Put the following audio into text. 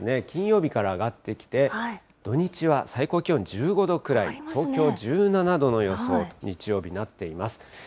金曜日から上がってきて、土日は最高気温１５度くらい、東京１７度の予想と、日曜日、なっています。